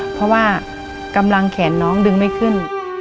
เพราะว่ากำลังแขนน้องดึงไม่ขึ้น